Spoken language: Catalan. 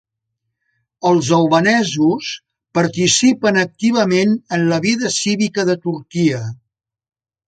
Els albanesos participen activament en la vida cívica de Turquia.